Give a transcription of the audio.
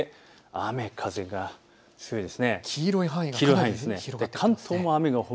雨風強いです。